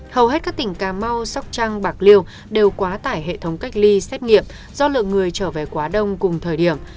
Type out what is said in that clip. hầu hết các tỉnh cà mau sóc trăng bạc liêu đều quá tải hệ thống cách ly xét nghiệm do lượng người trở về quá đông cùng thời điểm